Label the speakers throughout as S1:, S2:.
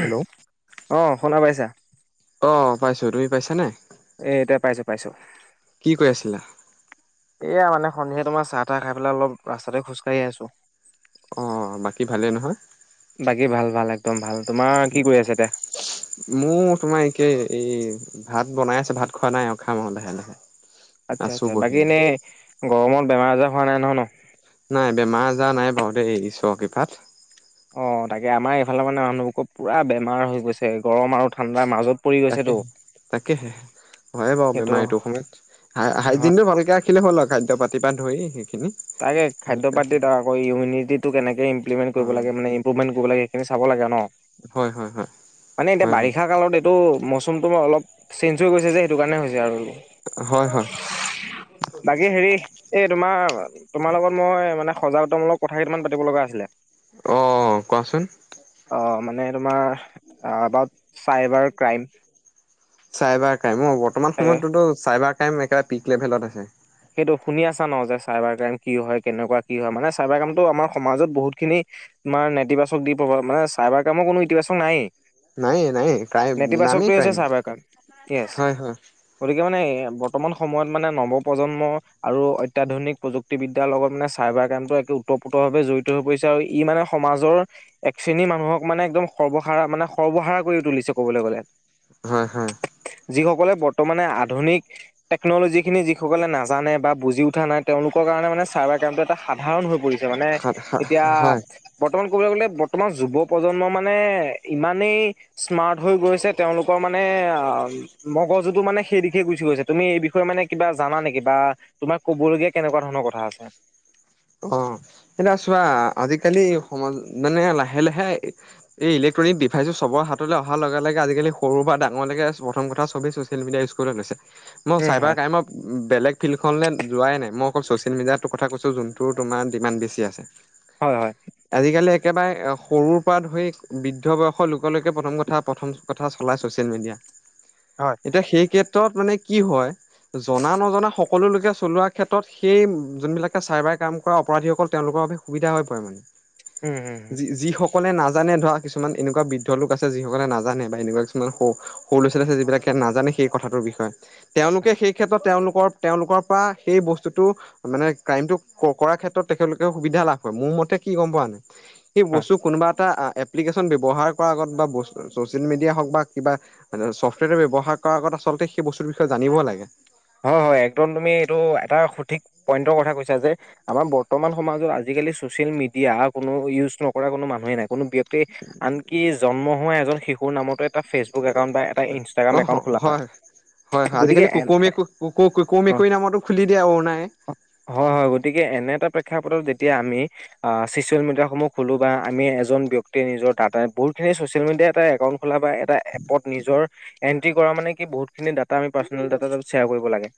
S1: Hello.
S2: অ' শুনা পাইছা?
S1: অ পাইছোঁ। তুমি পাইছা নাই?
S2: এটাই পাইছো পাইছো,
S1: কৈ আছিলা?
S2: এয়া মানে সন্ধিয়া তোমাৰ চাহ তাহ খাই পেলাই অলপ ৰাস্তাতে খোজ কাঢ়ি আছো।
S1: অ বাকী ভালেই নহয়।
S2: বাকী ভাল ভাল একদম ভাল। তোমাৰ কি কৰি আছে এতিয়া
S1: মোৰ তোমাৰ একেই এই ভাত বনাই আছে ভাত খোৱা নাই অ খাম আৰু লাহে লাহে।
S2: আত্চ্ছা
S1: আছোঁ
S2: আত্চ্ছা
S1: বহি।
S2: বাকী এনেই গৰমত বেমাৰ আজাৰ হোৱা নাই নহয় ন।
S1: নাই বেমাৰ আজাৰ নাই বাৰু দেই ঈশ্বৰৰ কৃপাত
S2: অ তাকে আমাৰ এইফালে মানে মানুহবোৰৰ পুৰা বেমাৰ হৈ গৈছে গৰম আৰু ঠাণ্ডাৰ মাজত। পৰি গৈছে তো
S1: তাকেহে তাকেহে হয়ে বাৰু বেমাৰ এইটো সময়ত। হাই
S2: হয়
S1: হাইজিনটো ভালকে ৰাখিলে হ'ল আৰু খাদ্য পাতি পা ধৰি। সেইখিনি
S2: তাকে খাদ্য
S1: ভালকে
S2: পাতিত
S1: ৰাখিলে
S2: আকৌ ইমউনিটিটো কেনেকে ইমপ্লিমেণ্ট কৰিব লাগে
S1: অ'।
S2: মানে ইম্প্ৰুভমেণ্ট কৰিব লাগে। সেইখিনি চাব লাগে ন।
S1: হয় হয় হয়
S2: মানে এতিয়া
S1: হয় বাৰু
S2: বাৰিষা কালত এইটো মৌচমটো অলপ চেঞ্জ হৈ গৈছে যে। সেটো কাৰণে হৈছে আৰু
S1: হয় হয়
S2: বাকী হেৰি এই তোমাৰ তোমাৰ লগত মই মানে সজাগতামূলক কথা কেইটান পাতিব লগা আছিলে,
S1: অ', কোৱাচোন।
S2: অ মানে তোমাৰ about cyber crime.
S1: Cyber crime অ বৰ্তমান
S2: তাকে
S1: সময়ততোতো চাইবাৰ ক্ৰাইম একেবাৰে পিক লেভেলত আছে।
S2: টো শুনি আছা ন যে চাইবাৰ ক্ৰাইম কি হয়, কেনেকুৱা কি হয়, মানে চাইবাৰ ক্ৰাইমতটো আমাৰ সমাজত বহুত খিনি, তোমাৰ নীতিবাচক দি পব মানে চাইবাৰ ক্ৰাইমৰ কোনো ইতিবাচক নাই এ।
S1: নায়ে নায়ে ক্ৰাইম
S2: নেতিবাচকটো
S1: নামেই
S2: হৈছে চাবা ক্ৰাইম, য়েছ।
S1: হয় হয়
S2: গতিকে মানে এ বৰ্তমান সময়ত মানে নৱ প্ৰজন্ম আৰু অত্যাধুনিক প্ৰযুক্তিবিদ্যাৰ লগত মানে চাইবাৰ ক্ৰাইমতটো এক ওতপ্ৰোতভাৱে জড়িত হৈ পৰিছে। আৰু ই মানে সমাজৰ এক শ্ৰেণী মানুহক মানে একদম সৰ্বসাৰা মানে সৰ্বসাৰা কৰি তুলিছে কবলৈ গলে।
S1: হয় হয়।
S2: যিসকলে বৰ্তমানে আধুনিক টেকনলজি খিনি যি, সকলে নাজানে বা বুজি উঠা নাই, তেওঁলোকৰ কাৰণে মানে চাৰ্বাৰ ক্ৰাইম টো এটা সাধাৰণ হৈ পৰিছ- মানে
S1: হয়
S2: এতিয়া
S1: হয়
S2: বত- বৰ্তমান ক'বলৈ গ'লে বৰ্তমান যুৱ প্ৰজন্ম মানে ইমানেই স্মাৰ্ট হৈ গৈছে তেওঁলোকৰ মান- মানে অ মগজুতটো মানে সেই দিশে গুচি গৈছে তুমি এই বিষয়ে মানে কিবা, জানা নেকি বা তোমাক কবলগীয়া কেনেকুৱা ধৰণৰ কথা আছে।
S1: অ এতিয়া চোৱা, আজিকালি সমাজ মানে লাহে লাহে এই ইলেক- ক্ট্ৰনিক ডিভাইজে চবৰ হাতলৈ অহা লগে লগে আজিকালি সৰু বা ডাঙৰলৈকে প্ৰথম কথা চবেই ছ'চেল মিডিয়াৰ উঞ্জ কৰিবলে লৈছে। মই
S2: উম
S1: চাইবাৰ
S2: হয়
S1: ক্ৰাইমৰ বেলেগ ফিল্ডখনে যোৱাই নাই, মই অকল চচিয়েল মিডিয়াতো কথা কৈছো যোন তো তোমাৰ ডিমাণ্ড বেছি আছে।
S2: হয় হয়।
S1: আজিকালি একেবাৰে সৰুৰ পৰা ধৰি বৃদ্ধ বয়সৰ লোকলৈকে প্ৰথম কথা প্ৰথম কথা চলাই ছচিয়েল মিডিয়া।
S2: হয়
S1: এতিয়া সেই কেত্ৰত মানে কি হয়। জনা নজনা সকলো লোকে চলোৱা ক্ষেত্ৰত সেই যোনবিলাকে চাই বাই- কাম কৰা অপৰাধীসকল তেওঁলোকৰ বাবে সুবিধা হৈ পৰে মানে।
S2: উম হু হু
S1: সকলে নাজানে ধৰা কিছুমান এনেকুৱা বৃদ্ধ লোক আছে যিসকলে নাজানে বা এনেকুৱা কিছুমান সৰু লৰা ছোৱালী আছে যিবিলাক নাজানে সেই কথাটোৰ বিষয়ে তেওঁলোকে
S2: হয়
S1: সেই ক্ষেত্ৰত তেওঁলোকৰ তেওঁলোকৰ পৰা সেই বস্তুটো মানে ক্ৰাইমটো কৰাৰ ক্ষেত্ৰত তেখেতলোকে সুবিধা লাভ কৰে, মোৰ মতে কি গম পোৱা নাই সেই
S2: হয়
S1: বস্তু কোনোবা এটা এপ্লিকেশ্যন ব্যৱহাৰ আগত বা ব ছ'চিয়েল মিডিয়া হওক বা কিবা ছফ্টৱেৰ ব্যৱহাৰ কৰাৰ আগত আচলতে সেই বস্তুৰ বিষয়ে জানিবই লাগে।
S2: হয় হয় একদম তুমি এইটো এটা সঠিক পইন্টৰ কথা কৈছা যে আমাৰ বৰ্তমান সমাজত আজিক আজিকালি চচিয়েল মিডিয়া কোনো ইউজ নকৰা কোনো মানুহে নাই, কোনো ব্যয়ক্তি আনকি জন্ম হোৱা এজন শিশুৰ নামতো এটা ফেচবুক একাউণ্ট বা এটা ইনষ্টাগ্ৰাম একাউণ্ট খোলা হয়
S1: হয় হয়
S2: গতিকে
S1: আজিকালি কুকু মেকু কুকু কুকু
S2: অঁ,
S1: মেকুৰী নামতো খুলি দিয়ে অৰুণাই।
S2: হয় হয় গতিকে এনে এটা প্ৰেক্ষাপত যেতিয়া আমি আঁহ ছচিয়েল মিডিয়াসমূহ খোলো বা আমি এজন ব্যক্তি নিজৰ ডাতাই বহুত চিয়েল মিডিয়া এটা একাউণ্ট খোল বা, এটা এপত নিজৰ এট্ৰ কৰা মানে কি বহুতখিনি ডাটা আমি পা---' দাতা ডাল শ্বেয়াৰ কৰিব লাগে।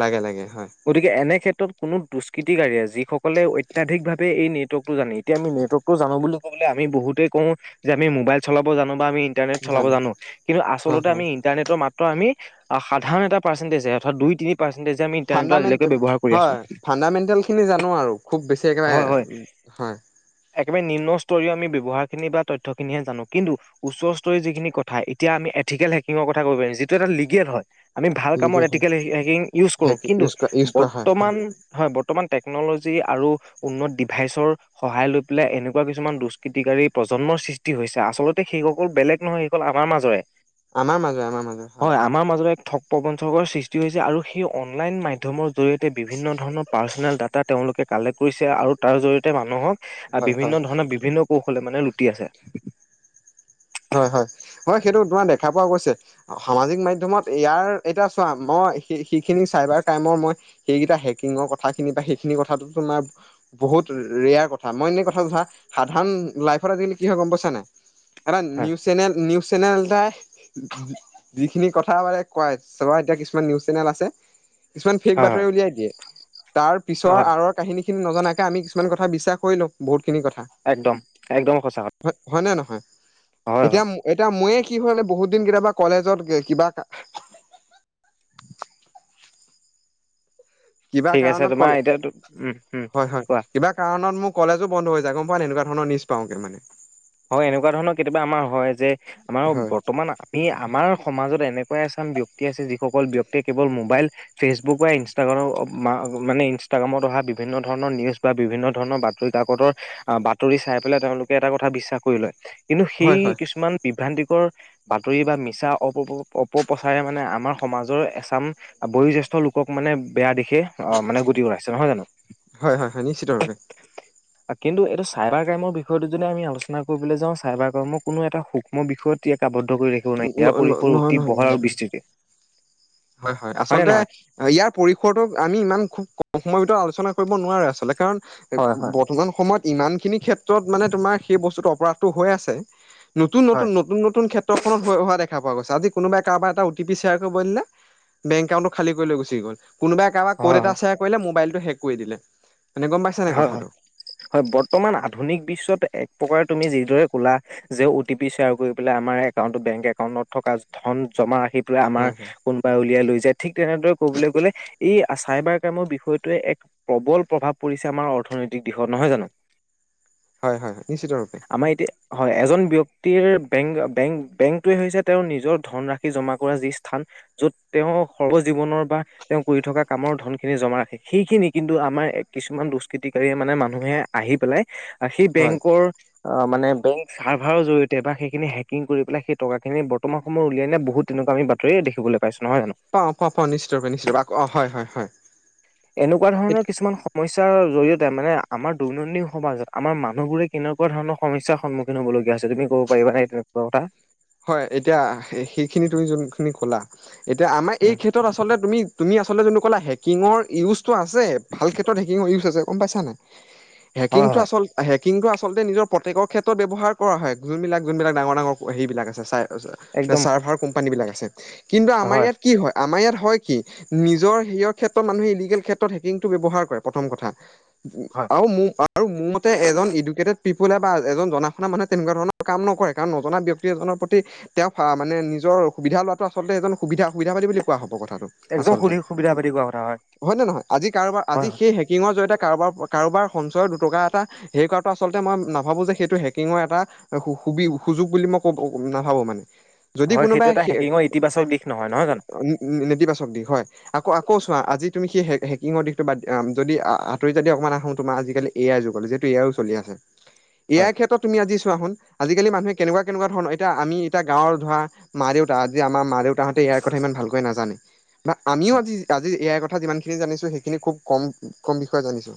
S1: লাগে লাগে হয়।
S2: ট কোনো দুষ্কৃতিগাগে যিসকলে অত্যাধিভাৱে এই নেটৱৰ্কটো জানে, এতিয়া আমি নেটৱৰ্কটো জো বুলি কি। আমি বহুতেই কওঁ যে আমি মোবাইল চলাব জানো বা আমি।। ইন্টাৰনেট চলাব জানো, কিন্তু
S1: হয়
S2: আচলতে
S1: হয়
S2: আমি ইন্টাৰনেটৰ মাত্ৰ আমি সাধাৰণ এটা। পাৰ্চেন্টেজ হে অৰ্থাত দুই, তিনি পাৰ্চেন্টেজে আমি ইণ্টাৰনেটৰ
S1: ফাণ্ডামেণ্ট
S2: আজিলৈকে ব্যৱহাৰ কৰি আছো
S1: হয় ফাণ্ডামেণ্টেল খিনি জানো আৰু, খুব বেছি একেবাৰে
S2: হয় হয়
S1: হয়। [unintelligible]
S2: একেবাৰে নিমন স্তৰীয় আমি ব্যৱহাৰখিনি বা তথ্যখিনিহে জানো, কিন্তু উচ্চস্তৰীয় যিখিনি কথা, এতিয়া আমি! থিকেল হেকিং কথা ভাৱে যিটোৱে ত এটা লিগেল হয়, আমি ভা
S1: লিগেল হয়
S2: কামৰীতিকলী ৰেগিং উচ কৰোঁ, কিন্তু
S1: ইউজ কৰা ইউজ কৰা হয় হয়
S2: বৰ্তমান হৈ বৰ্তমান টেগ। নলজি আৰু উন্নত ডিভাইচৰ সহায় লৈ পেলাই এনেকুৱা কিছুমান দুষ্কৃতিকাৰী প্ৰজন্মৰ, সৃষ্টি হৈছে আচলতে সেইসকল বেলেগ নহয় সেইসকল আমাৰ মাজৰে।
S1: আমাৰ মাজৰে আমাৰ মাজৰে
S2: হয় আমাৰ মাজৰে এক ঠগ প্ৰবঞ্চকৰ সৃষ্টি হৈছে আৰু সেই অনলাইন মাধ্যমৰ জৰিয়তে বিভিন্ন ধৰণৰ পাৰ্চনেল ডাটা তেওঁলোকে কালেক্ট কৰিছে আৰু তাৰ জৰিয়তে মানুহক।। আৰু
S1: হয় হয়
S2: বিভিন্ন ধৰণৰ বিভিন্ন কৌশলে মানে লুটি আছে
S1: হয় হয় হয় সেইটো তোমাৰ দেখা পোৱা গৈছে সামাজিক মাধ্যমত ইয়াৰ এতিয়া চোৱা মই সেইখিনি চাইবাৰ ক্ৰাইমৰ মই। সেইকেইটা হেকিঙৰ কথাখিনি বা সেইখিনি কথাটো তোমাৰ বহুত ৰেয়াৰ কথা মই এনেই কথাটো চা সাধাৰণ লাইত আজিকালি কি হয় গম পাই নাই এটা
S2: হয়
S1: নি চেনেল নি নিউজ চেনেলাই যিখিনি কথা বান কয় চব এতিয়া কিছুমান নিউজ চেনেল আছে কিছুমান ফেক
S2: হয়
S1: বাতৰি
S2: হয়
S1: উলিয়াই দিয়ে তাৰ পিছৰ
S2: হয়
S1: আৰৰ কাহিনী সিনি নজনাকে আমি কিছুমান কথা বিশ্বাস কৰি লওঁ বহুত
S2: একদম একদম সঁচা কথা
S1: হয় ন নহয়
S2: হয়
S1: এতিয়া
S2: হয়
S1: এতি মইয়ে কি হয়ানে বহুত দিন কেতিয়াবা কলেজত কিবা কিবা
S2: ঠিক আছে
S1: কাৰণত
S2: তোমাৰ
S1: কলে
S2: এতিয়াতো উম উম
S1: হয় হয়
S2: কোৱা
S1: কিবা কাৰণত মোক কলেজো বন্ধ হৈ যায় গ মই ভালে এনেকুৱা ধৰ নিজ পাওঁ কেনে
S2: হয় এনেকুৱা ধৰণৰ কেতিয়াবা আমাৰ হয় যে আমাৰ
S1: হয়
S2: বৰ্তমান আমি আমাৰ সমাজত এনেকুৱা এছান ব্যক্তি আছে যিসকল ব্যক্তিয়ে কেৱল মোবাইল ফেচবুক বা ইনষ্টাগ্ৰামৰ। মানে ইনষ্টাগ্ৰামত অহা বিভিন্ন ধৰণৰ নিউজ বা বিভিন্ন ধৰণৰ বাতৰি কাকতৰ বাতৰি চাই পেলাই তেওঁলোকে এটা কথা বিশ্বাস কৰি লয় কিন্তু সেই
S1: হয় হয়
S2: কিছুমান বিভ্ৰান্ত। বাতৰি বা মিছা অঁ অপপ্ৰচাৰে মানে আমাৰ সমাজৰ এচাম বয়োজ্যেষ্ঠ। জেষ্ঠ লোকক মানে বেয়া দিশে অঁ মানে গতি কৰাইছে নহয় জানো।
S1: হয় হয় হয় নিশ্চিত ভাবে।
S2: কিন্তু এইটো চাইবাৰ ক্ৰাইমৰ বিষয়টো যদি আমি আলোচনা কৰিবলৈ যাওঁ চাইবাৰ কৰ্মৰ কোনো এটা সূক্ষ্ম বিষয়। আৱদ্ধ কৰি ৰাখিব নাই ইয়াৰ পৰিসৰ
S1: নহয়
S2: অতি
S1: নহয়
S2: বহল আৰু বিস্ততি।
S1: হয় হয় আচলতে ইয়াৰ পৰিসৰটোক আমি ইমান খুব। সময়ৰ ভিতৰত আলোচনা কৰিব নোৱাৰে আচলতে কাৰণ
S2: হয় হয়
S1: বৰ্তমান সময়ত ইমান খিনি ক্ষেত। ত মানে তোমাৰ সেই বস্তুত অপৰাধটো হৈ আছে নতুন, নতুন,
S2: হয়।
S1: নতুন, নতুন ক্ষেত্ৰখনত হোৱা দেখা প গৈ আজ কোনোবাই কাৰব এটা অঁ' টি পি শ্বেয়াৰ কৰিব দিলে বেং একাউটটো খালী কৰি গুচি গ'ল! কোনোবাই কাৰোবাৰ কড
S2: হয়
S1: এটা
S2: হয়
S1: শ্বেয়াৰ কৰিলে মোবাইলটো শেক কৰি দিলে মানে গম পাইছা নাই
S2: হয়, হয়,
S1: কথাটো
S2: হয় বৰ্তমান আধুনিক বিশ্বত এক প্ৰকাৰে তুমি যিদৰে লা যে অ' টি পি শ্বেয়াৰ কৰিেলাই আমাৰ একাউট বেংক একাউন্টত থকা ধন জমা আহি আমাৰ
S1: হয় হয়
S2: কোনোবাই উলিয়াই লৈ যে ঠিক তেনেদৰে ক'বলৈ গ'লে এই চাইবাৰ ক্ৰাইমৰ বিষয়টোৱে এক প্ৰবল প্ৰভাৱ পৰিছে আমাৰ অৰ্থনৈতিক দিশত নহয় জানো
S1: হয় হয় হয় নিশ্চয়িত ৰূপে
S2: আমাৰ এতিয়া হয় এজন ব্যক্তিৰ বেংক বেং বেংকটোৱে হৈছে তেওঁ নিজৰ ধন ৰাশি জমা কৰা যি স্থান য'ত তেওঁ সৰ্ব জীৱনৰ বা তেওঁ কৰি থকা কামৰ ধন খিনি জমা ৰাখে সেইখিনি কিন্তু আমাৰ কিছুৃমান দুষ্টকিটিকাৰীয়ে মানে মানুহে আহি পেলায় সেই
S1: হয়
S2: বেংকৰ মানে বেংক ছাৰ্ভৰ জৰিয়তে বা সেইখিনি হেকিং কৰি পাই সেই টকাখিনি বৰ্তমান সময় উলিয়াই নাই বহুত তেনেকুৱা আমি। বাতৰিয় দেখিবলৈ পাইছো নহয় জানো
S1: পাওঁ প পাওঁ নিশ্চয় ৰূপে নিশ্চয় অ হয় হয় হয়
S2: এনেকুৱা ধৰণৰ কিছুমান সমস্যা স্যাৰ জৰিয়তে মানে আমাৰ দৈনন্দিন সমাজত আমাৰ মানুহবোৰে কেনেকুৱা ধৰণৰ সমস্যাৰ সন্মুখীন হ'বলগীয়া আছে তুমি কব পাৰিবা নাই তেনেকুৱা কথা
S1: হয় এতিয়া সেইখিনি তুমি যোনখিনি ক'লা এতিয়া আমাৰ এই
S2: উম
S1: ক্ষেত্ৰত আচলতে তুমি তুমি আচলতে যোনটো ক'লা হেকিঙৰ ইউজ সেইটো আছে ভাল ক্ষেত্ৰত হেকিঙৰ ইউচ আছে গম পইছা নাই হেকিঙ
S2: হয়
S1: টো
S2: হয়
S1: আচলতে কিং টো আচলতে নিজৰ প্ৰত্যেকৰ ক্ষেত্ৰত ব্যৱহাৰ কৰা হয় যোনবিলাক যোনবিলাক ডাঙৰ ডাঙৰ হেৰিবিলাক আছে চাই ত
S2: একদম
S1: চাৰ্ভাৰ কোম্পানী বিলাক আছে কিন্তু আমাৰ ইয়াত কি হয় আমাৰ ইয়াত হয় কি নিজৰ হেয়ৰ ক্ষেত্ৰত মানুহে ইলিগেল ক্ষেত্ৰত হেকিংটো ব্যৱহাৰ কৰে প্ৰথম কথা
S2: হয়
S1: আৰু ম আৰু মোৰ মতে এজন এডুকেটেড পিপুললে বা এজন জনাশুনা মানুহে তেনেকোৱা ধৰণৰ কাম নকৰে কাৰ নজনা ব্যক্তি এজনৰ ওপৰত তেওঁ মানে নিজৰ সুবিধা লোৱাটো আচলতে এজন সুবিধা সুবিধাাবাদী বুলি কোৱা হ'ব।
S2: একদম
S1: আচলতে
S2: সুধি সুবিধা পাতি কোৱা কথা
S1: হয় নে নহয় আজি কাৰোবাৰ
S2: হয়
S1: আজি সেই হেকিঙৰ জৰিয়তে। কাৰোবাৰ সঞ্চয়ৰ দুটকা এটা হেৰি কৰা টো আচলতে মই নাভাবোঁ যে সেইটো হেকিংৰ এটা সুবি সুযোগ বুলি মই ক'ব নাভাবো মানে। যদি
S2: হয় হয় সেইটো
S1: কোনোবাই
S2: এটা হেকিঙৰ ইতিবাচক দিশ নহয় নহয় জানো
S1: নেতিবাচক দি হয় আকৌ। ক'ছোৱা আজি তুমি সেই হে হেকিঙৰ দিশটো বা যদি আতৰি যদি অকণমান আহো তোমাৰ আজিকালি এ আই যুগলৈ যিহেতু চলি আছে ইয়াৰ
S2: হয়
S1: ক্ষেত্ৰত তুমি আজি চোৱাচোন আজিকালি মানুহে কেনেকুৱা কেনেকুৱা ধৰণৰ এতিয়া আমি এতিয়া গাঁৱৰ ধৰা মা দেউতা আজি আমাৰ মা দেউতাহঁতে ইয়াৰ কথা ইমান ভালকৈ নাজানে। বা আমিও
S2: হয়
S1: আজি আজি এয়াই কথা যিমানখিনি জানিছো সেইখিনি খুব কম কম বিষয়ে জানিছো।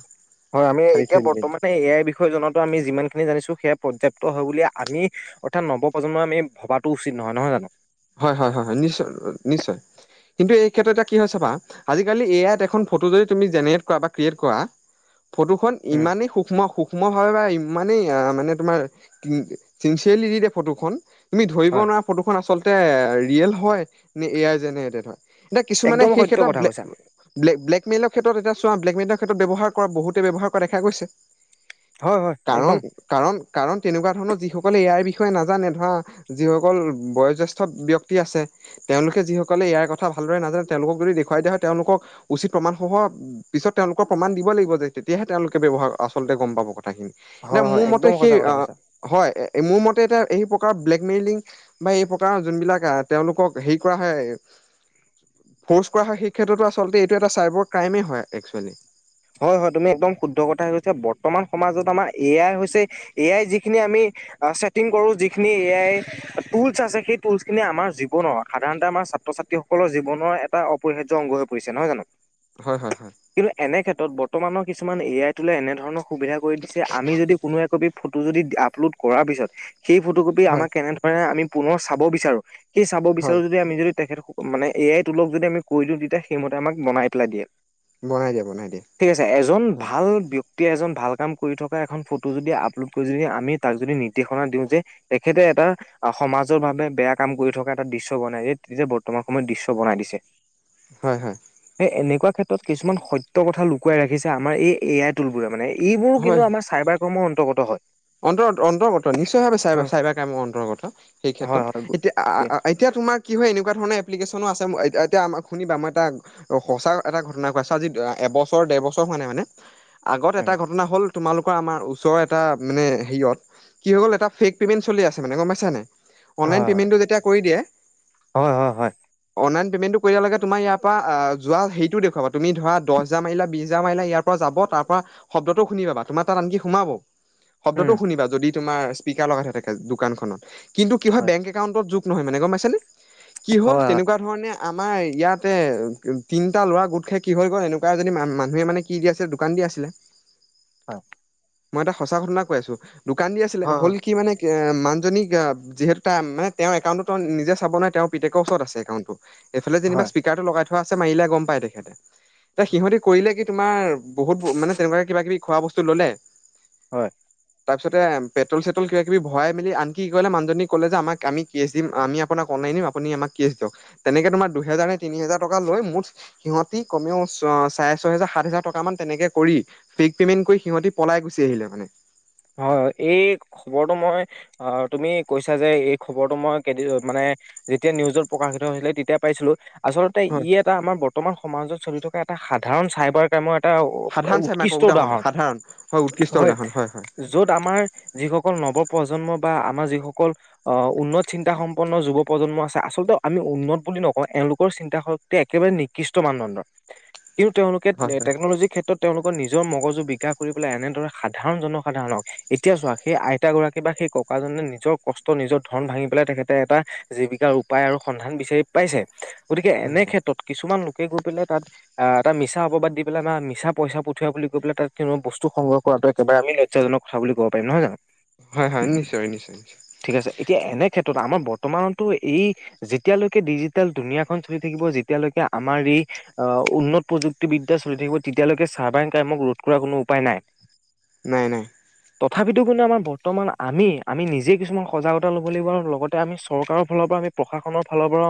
S2: হয় আমি
S1: খালি
S2: এতিয়া
S1: থৈ দিলে
S2: বৰ্তমানে এয়াই বিষয়ে জনাতো আমি যিমানখিনি জানিছো সেয়া পৰ্যাপ্ত। হয় বুলি আমি অৰ্থাৎ নৱপ্ৰজন্মই আমি ভবাতো উচিত নহয় নহয় জানো।
S1: হয় হয় হয় হয় নিশ্চয় নিশ্চয়। কিন্তু এই ক্ষেত্ৰত এ কি হৈছে চাবা আজিকালি এ আইত এখন ফটো যদি তুমি জেনেৰেট কৰা বা ক্ৰিয়েট কৰা। ফটোখন
S2: উম
S1: ইমানেই সূক্ষ্ম সুখ ই ভাৱ বা ইমানেই মানে তোমাৰ চিনচিয়েৰলি দি দিয়ে ফটোখন তুমি ধৰিব
S2: হয়
S1: নোৱাৰা ফটোখন আচলতে ৰিয়েল হয় নে এ আই জেনেৰেটেড হয়। এতিয়া কিছুমানে
S2: একদম
S1: সেই
S2: সত্য
S1: ক্ষেত্ৰত
S2: কথা কৈছা
S1: ব্লেকমেইলৰ ক্ষেত্ৰত এতিয়া চোৱা ব্লেকমেণ্টৰ ক্ষেত্ৰত ব্যৱহাৰ কৰা বহুতে ব্যৱহাৰ কৰা দেখা গৈছে।
S2: হয় হয়
S1: কাৰণ
S2: একদম
S1: কাৰণ কাৰণ তেনেকুৱা ধৰণৰ যিসকলে এ আই ৰ বি ষে নাজানে ধৰা যিসকল বয়জেষ্ঠ ব্যক্তি আছে তেওঁলোকে যিসকলে ইয়াৰ কথা ভালদৰে নাজানে তেওঁলোকক যদি দেখুৱাই দিয়া হয় তেওঁলোকক উচিত। প্ৰমাণসহ পিছত তেওঁলোকৰ প্ৰমাণ দিব লাগিব যে তেতিয়াহে তেওঁলোকে ব্যৱহাৰ আচলতে গম পাব কথা। কথাখিনি এতিয়া
S2: হয় হয়
S1: মোৰ
S2: একদম
S1: মতে
S2: সঁচা
S1: সেই
S2: কথা
S1: অ
S2: কৈছা
S1: হয় মোৰ মতে এতিয়া। এই প্ৰকাৰ ব্লেকমেইলিং বা এই প্ৰকাৰৰ যোনবিলাক তেওঁলোকক হেৰি কৰা হয়। ফ'ৰ্চ কৰা হয় সেই ক্ষেত্ৰতো আচলতে এইটো এটা চাইবাৰ ক্ৰাইমেই হয় একচুৱেলি।
S2: হয় হয় তুমি একদম শুদ্ধ কথা কৈছা বৰ্তমান সমাজত আমাৰ এ আই হৈছে এ আই যিখিনি আমি সেই খ আমাৰ জনৰ সাধাৰণ আমাৰ ছাত্ৰ ছাত্ৰীসকলৰ জীৱনৰ এটা অপৰিহাৰ্য অংগ হৈ পৰিছে নহয় জানো।
S1: হয় হয় হয়।
S2: ত বৰ্তমানৰ কিছুমান এ আই তুলে এনেধৰণৰ সুবিধা কৰি দিছে আমি যদি কোনোৱে একপি ফটো যদি আপলোড কৰাৰ পিছত সেই ফটো কপি
S1: হয়
S2: আমাক কেনেধৰণে আমি পুনৰ চাব বিচাৰো সেই চাব
S1: হয়
S2: বিচাৰোঁ যদি আমি যদি তেখেতক মানে এ আই তোলক যদি আমি ক দিওঁ তেতিয়া সেইমতে আমাক বনাই পেলাই দিয়ে।
S1: বনাই দিয়ে বনাই দিয়ে।
S2: ঠিক আছে এজন ভাল ব্যক্তি। এজন ভাল কাম কৰি থকা এখন ফটো যদি আপলোড কৰি যদি আমি তাক যদি নিৰ্দেশনা দিওঁ যে তেখেতে এটা সমাজৰ বাবে বেয়া কাম কৰি থকা এটা দৃশ্য বনাই যে তেতিয়া বৰ্তমান সময়ত দৃশ্য বনাই দিছে।
S1: হয় হয়।
S2: সেই এনেকুৱা ক্ষেত্ৰত কিছুমান সত্য কথা লুকুৱাই ৰাখিছে আমাৰ এই এ আই টোলবোৰে মানে এইবোৰো কিন্তু আমাৰ চাইবাৰ কৰ্ম অন্তৰ্গত হয়।
S1: অন্তৰ্ত অন্তৰ্গত নিশ্চয় ভাৱে চাইভাৰ
S2: হয়
S1: চাইবভাৰ কামৰ অন্তৰ্গত সেই
S2: হয়
S1: ক্ষেত্ৰত
S2: হয় গু-
S1: এতিয়া, এতিয়া। তোমাৰ কি হয় এনেকুবা ধৰণৰ এপ্লিকেচন আছে এয়া এতিয়া শুনিবা মই এটা সঁচা এটা ঘটনা কৈ আছো আজি এবছৰ ডেৰ বছৰ হোৱা নাই মানে। আগত এটা
S2: উম
S1: ঘটনা হ'ল তোমালোকৰ আমাৰ ওচৰৰ এটা মানে হেৰিয়ত কি হ'ল এটা ফেক পেমেন্ট চলি আছে মানে গম পাইছা নে? অনলাইন
S2: হয়
S1: পেমেণ্টটো যেতিয়া কৰি দিয়ে।
S2: হয় হয় হয়।
S1: পে'মেণ্টো কৰিদিয়া লৈকে তোমাৰ ইয়াৰ পৰা যোৱা হেইটো দেখুৱাব তোমাৰ ধৰা দহ হেজাৰ বিছ হেজাৰ মাৰিলা ইয়াৰ পৰা যাব। তাৰ পৰা শব্দটো শুনি পাবা তুমাৰ তাত আনকি সোমাব। শব্দটো
S2: উম
S1: শুনিবা, যদি তোমাৰ স্পিকাৰ লগাই থোৱা থাকে দোকানখনত, কিন্তু কিয় হয় বেংক একাউণ্টতো যোগ নহয় মানে, গম পাইছেনে কি হ'ল
S2: হয়
S1: তেনেকুৱা ধৰণে আমাৰ ইয়াতে তিনিটা ল'ৰা গোট খাই কি হৈ গ'ল, এনেকুৱা এজনী মানুহে মানে কি দি আছিলে দোকান দি আছিলে [inaudible]
S2: হয়
S1: মই এটা সঁচা ঘটনা কৈ আছো, দোকান দি আছিলে
S2: হয়
S1: হ'ল কি মানে এ মানুজনীক যিহেতু তাই মানে তেওঁৰ একাউণ্টটো তেওঁ নিজে চাব নোৱাৰে, তেওঁৰ পিতেকৰ ওচৰত আছে একাউণ্ট টো এইফালে
S2: হয়
S1: যেনিবা
S2: হয়
S1: স্পীকাৰটো লগাই থোৱা আছে, মাৰিলে গম পাই তেখেতে
S2: হয়
S1: সিহঁতি কৰিলে কি তোমাৰ, বহুত মানে তেনেকুৱা কিবা-কিবি খোৱা বস্তু ল'লে
S2: হয়
S1: তাৰপিছতে পেট্ৰল-চেট্ৰল, কিবা-কিবি ভৰাই মেলি আনকি কি কৰিলে মানুহজনীক ক'লে যে আমাক আমি কেছ দিম, আমি আপোনাক মাৰি দিম, আপোনি আমাক কেছ দিয়ক, তেনেকে তোমাক দুহেজাৰ নে তিনি হেজাৰ টকা লৈ মোৰ সিহঁতি কমেও অ, চাৰে ছয় হাজাৰ, সাত হাজাৰ টকা মান তেনেকে কৰি, ফেক পেমেন্ট কৰি, সিহতি পলাই গুচি আহিলে মানে
S2: হয়, এই খবৰটো মই অ, তুমি কৈছা যে এই খবৰটো মই, কেদি ৰ মানে যেতিয়া নিউজত প্ৰকাশিত হৈছিলে, তেতিয়া পাইছিলো। আচলতে,
S1: হয়
S2: ই এটা আমাৰ বৰ্তমান সমাজত চলি থকা এটা সাধাৰণ চাইবাৰ ক্ৰাইমৰ এটা
S1: সাধাৰণ চাইমাৰ আকৌ উদাহৰণ, সাধাৰণ, হয়, উৎকৃষ্ট উদাহৰণ, হয় হয়
S2: য'ত আমাৰ যিসকল অকল নৱপ্ৰজন্ম বা আমাৰ যিসকল অ, উন্নত চিন্তা সম্পন্ন যুৱপ্ৰজন্ম আছে, আচলতে আমি উন্নত বুলি নকওঁ, এওঁলোকৰ চিন্তা শক্তি একেবাৰে নিকৃষ্ট মানদণ্ডৰ। কিন্তু, তেওঁলোকে
S1: হয়
S2: টেকন'লজিৰ ক্ষেত্ৰত তেওঁলোকৰ নিজৰ মগজু বিকাশ কৰি পেলাই এনেদৰে সাধাৰণ জনক সাধাৰণক, এতিয়া চোৱা সেই আইতা গৰাকী বা সেই ককাজনে নিজৰ কষ্ট, নিজৰ ধন ভাঙি পেলাই তেখেতে এটা জীৱিকাৰ উপায় আৰু সন্ধান বিচাৰি পাইছে, গতিকে
S1: হয়
S2: এনে
S1: হয়
S2: ক্ষেত্ৰত কিছুমান লোক সেই গৈ পেলাই তাত, এটা মিছা অপবাদ দি পেলাই বা মিছা পইচা পঠিওৱা বুলি কৈ পেলাই, তাত কিয়নো বস্তু সংগ্ৰহ কৰা এইটো একেবাৰে আমি লজ্জাজনক কথা বুলি ক'ব পাৰিম, নহয় জানো?
S1: হয়-হয়, নিশ্চয়-নিশ্চয়-নিশ্চয়
S2: ঠিক আছে এতিয়া এনে ক্ষেত্ৰত, আমাৰ বৰ্তমানতো এই যেতিয়ালৈকে ডিজিটেল দুুনীয়াখন চলি থাকিব, যেতিয়ালৈকে আমাৰ এই অ, উন্নত প্ৰযুক্তিবিদ্যা চলি থাকিব, তেতিয়ালৈকে চাৰ্বাইং ক্ৰাইমক ৰোধ কৰাৰ কোনো উপায় নাই।
S1: নাই-নাই
S2: তথাপিতো কিন্তু, আমাৰ বৰ্তমান আমি-আমি নিজেই কিছুমান সজাগতা ল'ব লাগিব আৰু লগতে আমি চৰকাৰৰ ফালৰ পৰা আমি প্ৰশাসনৰ ফালৰ পৰা